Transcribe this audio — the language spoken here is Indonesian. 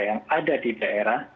yang ada di daerah